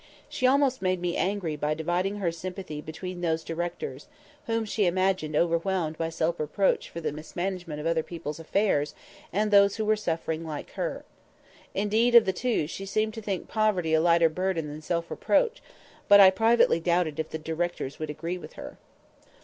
She almost made me angry by dividing her sympathy between these directors (whom she imagined overwhelmed by self reproach for the mismanagement of other people's affairs) and those who were suffering like her. Indeed, of the two, she seemed to think poverty a lighter burden than self reproach; but I privately doubted if the directors would agree with her.